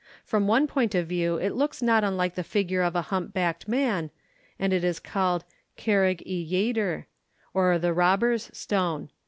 From one point of view it looks not unlike the figure of a humpbacked man, and it is called 'Carreg y Lleidr,' or the Robber's Stone.